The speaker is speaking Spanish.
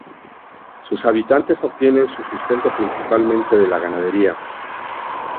Sus habitantes obtienen su sustento principalmente de la ganadería.